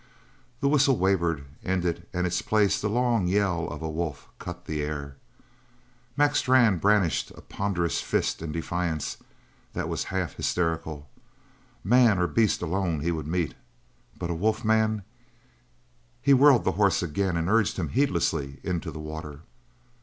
The whistle wavered, ended, and in its place the long yell of a wolf cut the air. Mac Strann brandished a ponderous fist in defiance that was half hysterical. Man or beast alone he would meet but a wolf man! he whirled the horse again and urged him heedlessly into the water.